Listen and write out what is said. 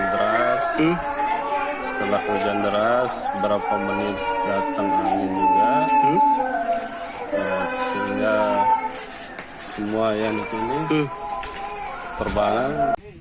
deras setelah hujan deras berapa menit datang angin juga sehingga semua yang disini terbang